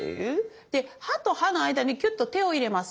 で歯と歯の間にキュッと手を入れます。